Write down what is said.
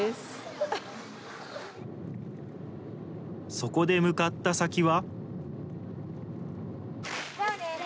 そこで向かった先は。